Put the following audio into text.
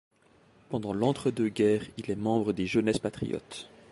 Pendant l'entre deux guerres il est membre des Jeunesses patriotes.